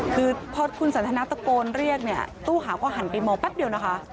คือพอคุณสันทนาตะโกนเรียกเนี่ยตู้หาวก็หันไปมองแป๊บเดียวนะคะ